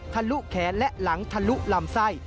ทะลุแขนและหลังทะลุลำไส้